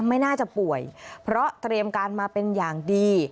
ไม่น่าจะป่วยเพราะเตรียมการมาเป็นอย่างดี